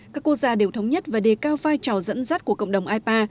các quốc gia đều thống nhất và đề cao vai trò dẫn dắt của cộng đồng ipa